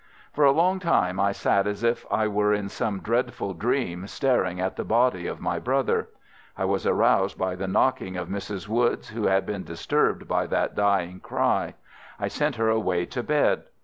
"For a long time I sat as if I were in some dreadful dream, staring at the body of my brother. I was aroused by the knocking of Mrs. Woods, who had been disturbed by that dying cry. I sent her away to bed.